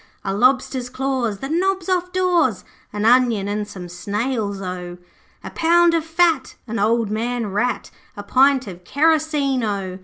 A lobster's claws, the knobs off doors, An onion and some snails O! 'A pound of fat, an old man rat, A pint of kerosene O!